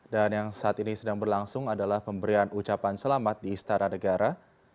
dan yang saat ini sedang berlangsung adalah pemberian ucapan selamat di istana negara